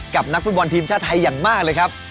นักฟุตบอลทีมชาติไทยอย่างมากเลยครับ